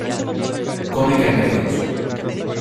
Come cangrejos.